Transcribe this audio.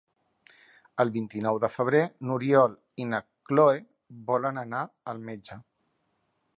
El vint-i-nou de febrer n'Oriol i na Cloè volen anar al metge.